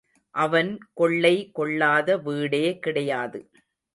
அவன் கொள்ளை கொள்ளாத வீடே கிடையாது.